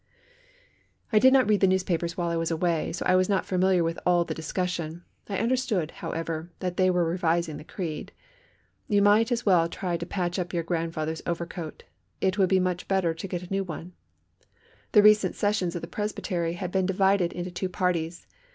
I did not read the newspapers while I was away so I was not familiar with all the discussion. I understood, however, that they were revising the creed. You might as well try to patch up your grandfather's overcoat. It will be much better to get a new one. The recent sessions of the Presbytery had been divided into two parties.